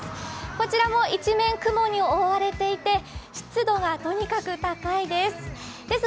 こちらも一面雲に覆われていて湿度がとにかく高いです。